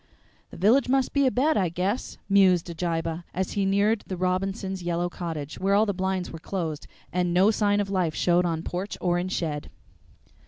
"The village must be abed, I guess," mused Abijah, as he neared the Robinsons' yellow cottage, where all the blinds were closed and no sign of life showed on porch or in shed.